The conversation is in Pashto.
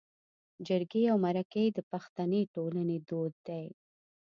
جرګې او مرکې د پښتني ټولنې دود دی